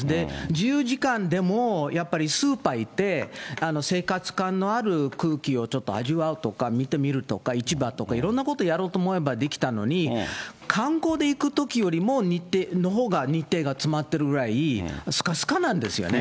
自由時間でもやっぱりスーパー行って、生活感のある空気をちょっと味わうとか、見てみるとか、市場とか、いろんなことやろうと思えばできたのに、観光で行くときよりも日程のほうが、日程が詰まってるぐらい、すかすかなんですよね。